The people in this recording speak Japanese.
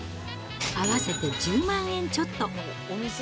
合わせて１０万円ちょっと。